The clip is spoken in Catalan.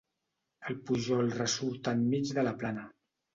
El pujol ressurt enmig de la plana.